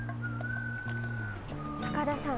高田さん